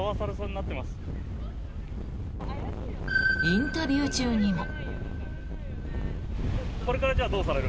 インタビュー中にも。